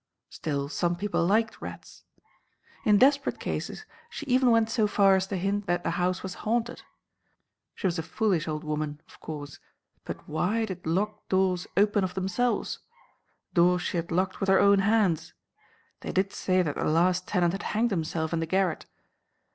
Still, some people liked rats. In desperate cases she even went so far as to hint that the house was haunted. She was a foolish old woman, of course, but why did locked doors open of themselves? Doors she had locked with her own hands. They did say that the last tenant had hanged himself in the garret.